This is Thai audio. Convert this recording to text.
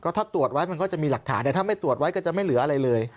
ถ้าตรวจไว้มันก็จะมีหลักฐานแต่ถ้าไม่ตรวจไว้ก็จะไม่เหลืออะไรเลย